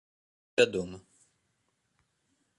Але мне гэта невядома.